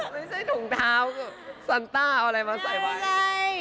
ไม่ใช่ถุงเท้าซันต้าเอาอะไรมาใส่ไว้ใช่